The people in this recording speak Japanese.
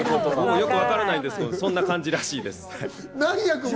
よくわからないですけど、そういう感じみたいです。